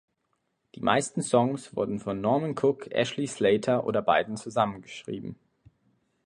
Die meisten Songs wurden von Norman Cook, Ashley Slater oder beiden zusammen geschrieben.